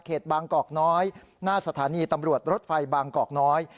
บางกอกน้อยหน้าสถานีตำรวจรถไฟบางกอกน้อย